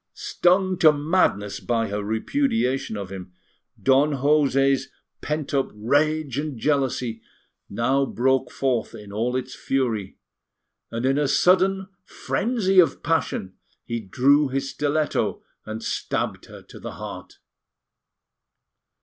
Stung to madness by her repudiation of him, Don José's pent up rage and jealousy now broke forth in all its fury; and, in a sudden frenzy of passion, he drew his stiletto and stabbed her to the heart.